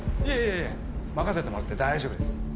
いえいえ任せてもらって大丈夫です。